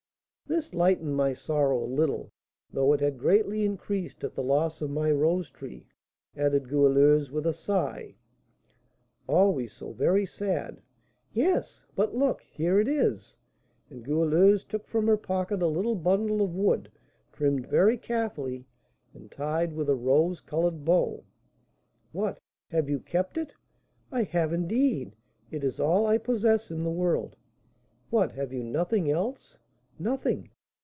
This lightened my sorrow a little, though it had greatly increased at the loss of my rose tree," added Goualeuse, with a sigh. "Always so very sad." "Yes; but look, here it is." And Goualeuse took from her pocket a little bundle of wood trimmed very carefully, and tied with a rose coloured bow. "What, have you kept it?" "I have, indeed; it is all I possess in the world." "What, have you nothing else?" "Nothing."